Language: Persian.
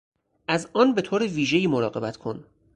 از آن به طور ویژهای مراقبت کن